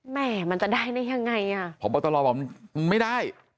แหม่มันจะได้ยังไงผมตลอดบอกไม่ได้